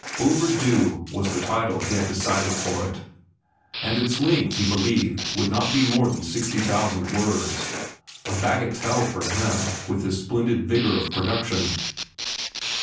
"Overdue" was the title he had decided for it, and its length he believed would not be more than sixty thousand words—a bagatelle for him with his splendid vigor of production.